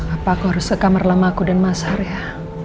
apa aku harus ke kamar lamaku dan mas arya